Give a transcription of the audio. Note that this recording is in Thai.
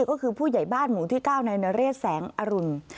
ก็คือผู้ใหญ่บ้านหมู่ที่๙นายนเรศแสงอรุณ